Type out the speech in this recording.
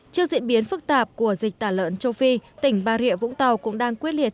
trước diễn biến phức tạp của dịch tả lợn châu phi tỉnh bà rịa vũng tàu cũng đang quyết liệt